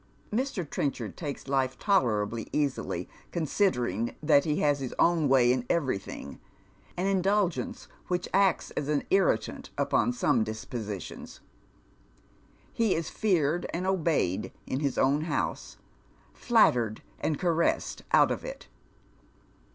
Mr. Trenchard takes life tolerably easily considering that he has his own way in evor3i;hing, an indulgence which acts as an irritant upon some dispositions. He is feared and obeyed in hia own house, flattered and caressed out of it.